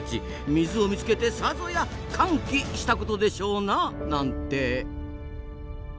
水を見つけてさぞや「歓喜」したことでしょうな。なんて。